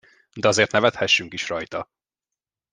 De azért nevethessünk is rajta!